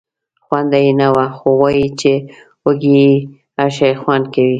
خونده یې نه وه خو وایي چې وږی یې هر شی خوند کوي.